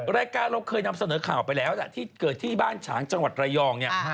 รายการเราเคยนำเสนอข่าวไปแล้วที่เกิดที่บ้านฉางจังหวัดระยองเนี่ย